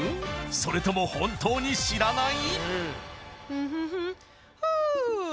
それとも本当に知らない？